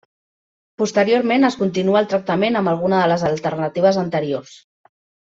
Posteriorment es continua el tractament amb alguna de les alternatives anteriors.